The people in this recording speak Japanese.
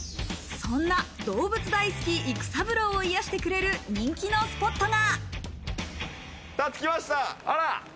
そんな動物大好き育三郎を癒やしてくれる人気のスポットが。